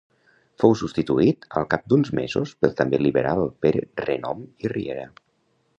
Fou substituït al cap d'uns mesos pel també liberal Pere Renom i Riera.